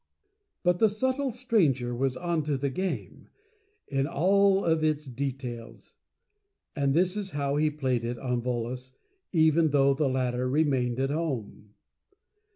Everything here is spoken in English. But the Subtle Stranger was Onto the Game, in all of its Details. And this is how he Played it on Volos, even though the latter Remained at Home.